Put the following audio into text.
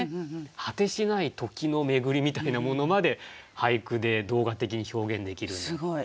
果てしない時の巡りみたいなものまで俳句で動画的に表現できるっていう。